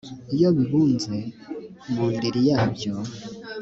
iyo bibunze mu ndiri yabyo